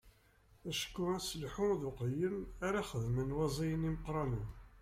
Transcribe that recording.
Acku aselḥu d uqeyyem ara xedmen waẓiyen imeqqranen.